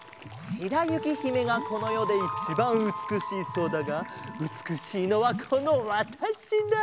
しらゆきひめがこのよでいちばんうつくしいそうだがうつくしいのはこのわたしだ。